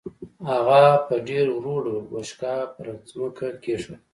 هغه په ډېر ورو ډول بوشکه پر ځمکه کېښوده.